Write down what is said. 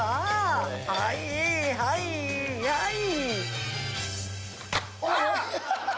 はいはいはい。